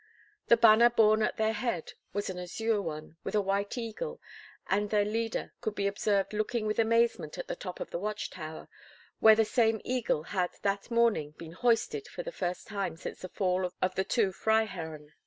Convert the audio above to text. The banner borne at their head was an azure one, with a white eagle, and their leader could be observed looking with amazement at the top of the watch tower, where the same eagle had that morning been hoisted for the first time since the fall of the two Freiherren.